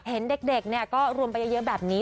เห็นเด็กก็รวมไปเยอะแบบนี้